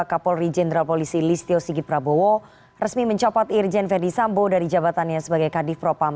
kapolri jenderal polisi listio sigit prabowo resmi mencopot irjen verdi sambo dari jabatannya sebagai kadif propam